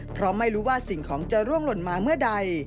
เพราะไม่รู้ว่าสิ่งของจะร่วงหล่นมาเมื่อใด